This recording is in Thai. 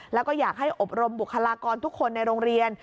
แล้วก็อยากให้อบรมบุคลากรทุกคนในโรงเรียน